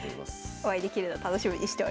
お会いできるの楽しみにしております。